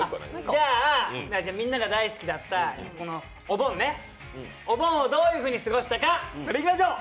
じゃあ、みんなが大好きだったお盆ね、お盆をどういうふうに過ごしたか、これ、いきましょう。